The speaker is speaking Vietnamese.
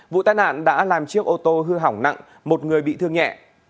vụ tai nạn đã làm chiếc ô tô hư hỏng nặng một người bị thương nhẹ